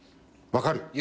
分かる。